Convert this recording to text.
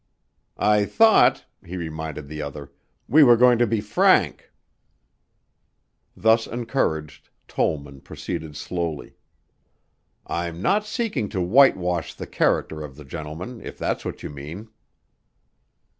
"I thought," he reminded the other, "we were going to be frank." Thus encouraged, Tollman proceeded slowly, "I'm not seeking to whitewash the character of the gentleman, if that's what you mean."